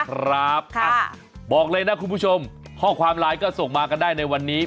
ครับบอกเลยนะคุณผู้ชมข้อความไลน์ก็ส่งมากันได้ในวันนี้